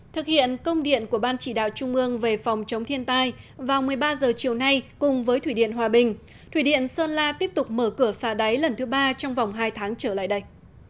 thực hiện công điện của ban chỉ đạo trung ương về phòng chống thiên tai vào một mươi ba h chiều nay cùng với thủy điện hòa bình thủy điện sơn la tiếp tục mở cửa xà đáy lần thứ ba trong vòng hai tháng trở lại đây